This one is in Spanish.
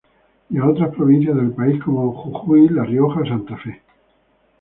Y a otras provincias del país como Jujuy, La Rioja o Santa Fe.